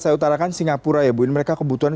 seutarakan singapura ya bu ini mereka kebutuhan